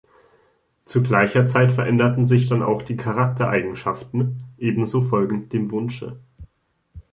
Zu gleicher Zeit veränderten sich dann auch die Charaktereigenschaften, ebenso folgend dem Wunsche.